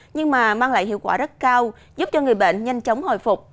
nhưng mà mang lại hiệu quả rất cao giúp cho người bệnh nhanh chóng hồi phục